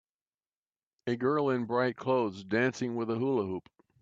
A girl in bright clothes dancing with a hula hoop.